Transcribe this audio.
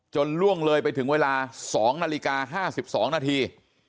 ล่วงเลยไปถึงเวลา๒นาฬิกา๕๒นาที